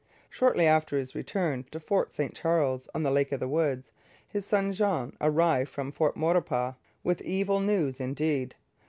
Shortly after his return to Fort St Charles on the Lake of the Woods, his son Jean arrived from Fort Maurepas, with evil news indeed.